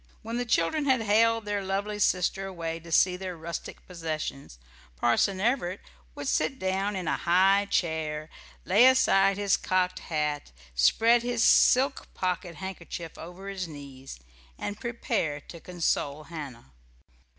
When the children had haled their lovely sister away to see their rustic possessions, Parson Everett would sit down in a high chair, lay aside his cocked hat, spread his silk pocket handkerchief over his knees, and prepare to console Hannah.